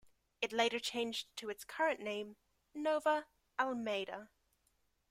It later changed to its current name, Nova Almeida.